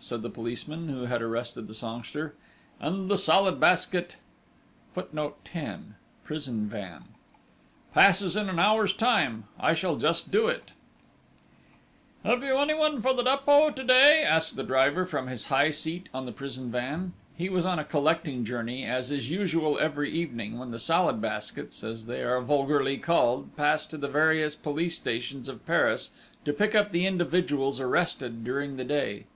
said the policeman, who had arrested the songster... "and the 'Salad Basket' passes in an hour's time! ... I shall just do it!" [Footnote 10: Prison van.] "Have you anyone for the Dépôt to day?" asked the driver from his high seat on the prison van. He was on a collecting journey as is usual every evening, when the Salad Baskets, as they are vulgarly called, pass to the various police stations of Paris to pick up the individuals arrested during the day.